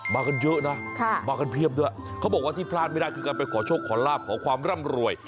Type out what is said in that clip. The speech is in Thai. มากันเยอะนะมากันเพียบด้วยเขาบอกว่าที่พลาดไม่ได้คือการไปขอโชคขอลาบขอความร่ำรวย